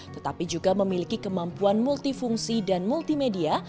tetapi juga memiliki kemampuan multifungsi dan multimedia